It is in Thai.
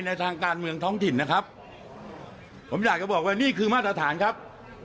ในทางการเมืองท้องถิ่นนะครับผมอยากจะบอกว่านี่คือมาตรฐานครับ